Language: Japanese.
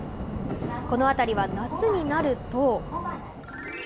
この辺りは夏になると。